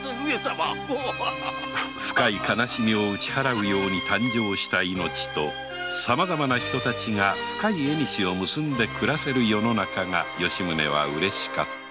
深い悲しみをうち払うように誕生した「命」とさまざまな人たちが深いえにしを結んで暮らせる世の中が吉宗はうれしかった